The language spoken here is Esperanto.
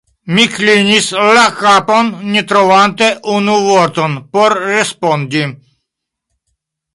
Mi klinis la kapon, ne trovante unu vorton por respondi.